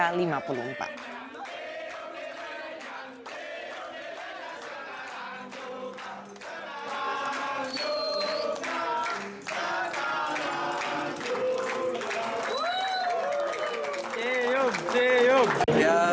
selamat ulang tahun